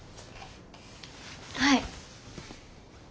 はい。